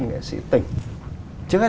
nghệ sĩ tỉnh